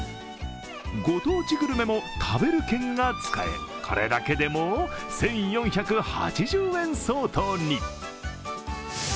御当地グルメも食べる券が使え、これだけでも１４８０円相当に。